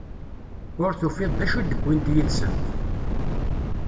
Ur tufiḍ d acu i d-uwint yid-sent.